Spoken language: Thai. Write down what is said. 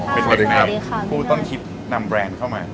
สวัสดีครับคุณต้นคลิปนำแบรนด์เข้ามา